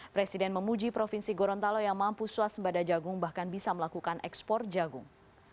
presiden memuji provinsi gorontalo yang mampu swasembada jagung bahkan bisa melakukan ekspor jagung